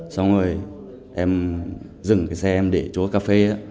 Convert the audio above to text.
xong rồi em dừng cái xe em để chúa cà phê